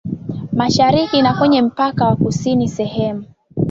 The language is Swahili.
mashariki na kwenye mpaka wa kusini Sehemu